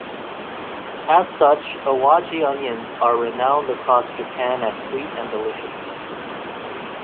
As such, Awaji onions are renowned across Japan as sweet and delicious.